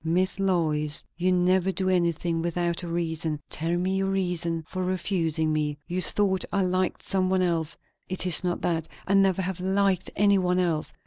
Miss Lois, you never do anything without a reason; tell me your reason for refusing me. You thought I liked some one else; it is not that; I never have liked any one else.